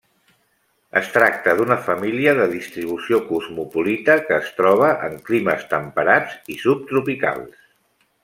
Es tracta d'una família de distribució cosmopolita que es troba en climes temperats i subtropicals.